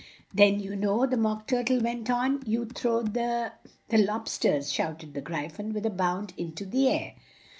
"Then, you know," the Mock Tur tle went on, "you throw the " "The lob sters!" shout ed the Gry phon, with a bound in to the air.